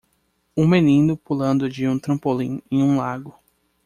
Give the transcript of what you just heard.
Um menino pulando de um trampolim em um lago.